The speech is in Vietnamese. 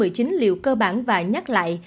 về việc tiêm liều cơ bản và nhắc lại